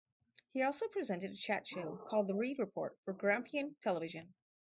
He also presented a chat-show called the "Reid Report" for Grampian Television.